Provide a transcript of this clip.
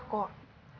aku akan nunggu